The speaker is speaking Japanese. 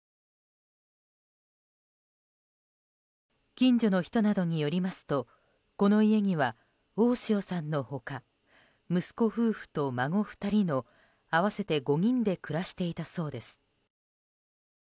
近所の人などによりますとこの家には大塩さんの他息子夫婦と孫２人の合わせて５人で暮らしていたそうです。